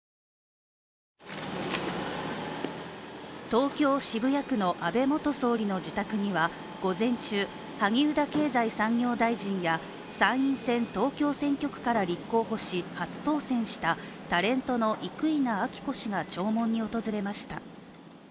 東京・渋谷区の安倍元総理の自宅には午前中、萩生田経産相や参院選東京選挙区から立候補し、初当選した、タレントの生稲晃子氏が弔問に訪れました。